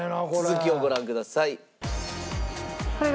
続きをご覧ください。